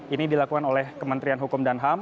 ini dilakukan oleh kementerian hukum dan ham